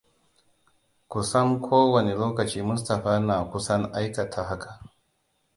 Ku san ko wane lokaci Mustapha na kusan aikata haka.